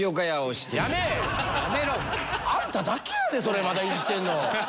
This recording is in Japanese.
あんただけやでそれまだ言ってるの。